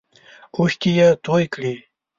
اوښکې یې تویی کړې.